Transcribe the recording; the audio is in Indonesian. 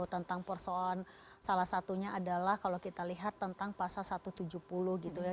tentang persoalan salah satunya adalah kalau kita lihat tentang pasal satu ratus tujuh puluh gitu ya